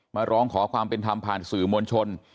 มาร้องขอความเป็นธรรมผ่านสื่อมวลชน